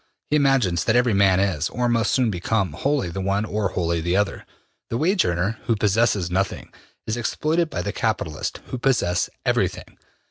He imagines that every man is, or must soon become, wholly the one or wholly the other. The wage earner, who possesses nothing, is exploited by the capitalists, who possess everything.